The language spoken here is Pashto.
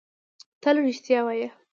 تل رېښتيا وايه